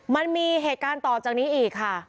มันมีเหตุการณ์ต่อจากนี้อีกค่ะ